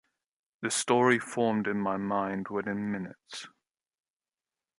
The story formed in my mind within minutes.